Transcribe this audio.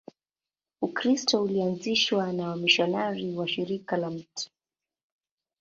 Ukristo ulianzishwa na wamisionari wa Shirika la Mt.